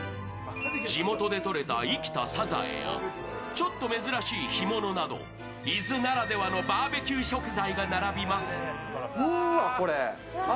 地元でとれた生きたさざえやちょっと珍しい干物など伊豆ならではのバーベキュー食材が並びます。